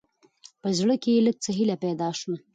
په زړه، کې يې لېږ څه هېله پېدا شوه.